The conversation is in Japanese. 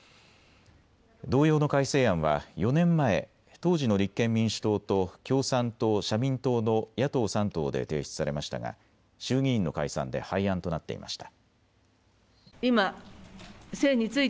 同様の改正案は４年前、当時の立憲民主党と共産党、社民党の野党３党で提出されましたが衆議院の解散で廃案となっていました。